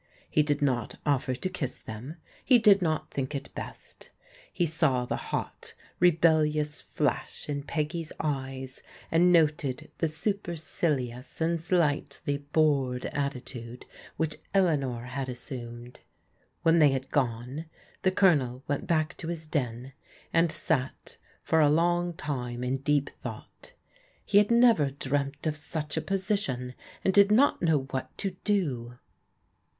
He did not offer to kiss them; he did not think it best. He saw the hot, rebellious flash in Peggy's eyes, and noted the supercilious and slightly bored attitude which Eleanor had assumed. When they had gone, the Colonel went back to his den, and sat for a long time in deep thought. He had never dreamt of such a position, and did not know what to do.